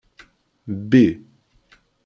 Bbi.